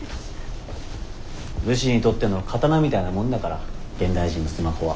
武士にとっての刀みたいなもんだから現代人のスマホは。